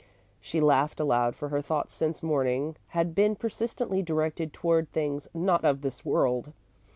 She laughed aloud, for her thoughts since morning had been persistently directed toward things not of this world.